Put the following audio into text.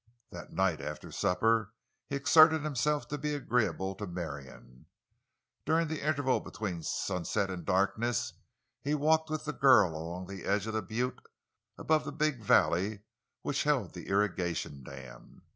That night after supper he exerted himself to be agreeable to Marion. During the interval between sunset and darkness he walked with the girl along the edge of the butte above the big valley which held the irrigation dam.